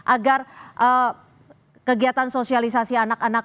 agar kegiatan sosialisasi anak anak